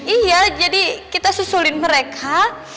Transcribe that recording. iya jadi kita susulin mereka